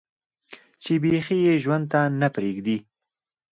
چې بيخي ئې ژوند ته نۀ پرېږدي